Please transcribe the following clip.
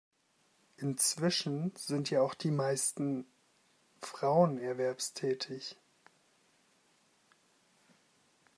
Inzwischen sind ja auch die meisten Frauen erwerbstätig.